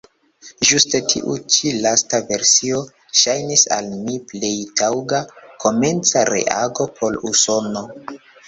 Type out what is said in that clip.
Ĝuste tiu ĉi lasta versio ŝajnis al mi plej taŭga komenca reago por Usono.